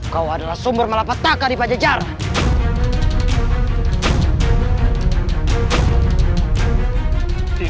kau adalah sumber yang menyebabkan kekuatan tersembunyi